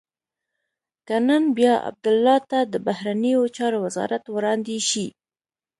که نن بیا عبدالله ته د بهرنیو چارو وزارت وړاندې شي.